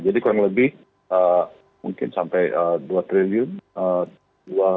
jadi kurang lebih mungkin sampai dua triliun